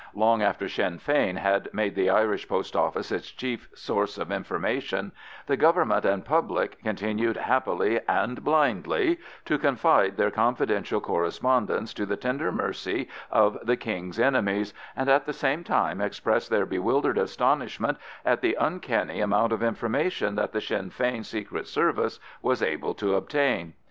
Long after Sinn Fein had made the Irish Post Office its chief source of information, the Government and public continued happily and blindly to confide their confidential correspondence to the tender mercies of the King's enemies, and at the same time expressed their bewildered astonishment at the uncanny amount of information that the Sinn Fein Secret Service was able to obtain.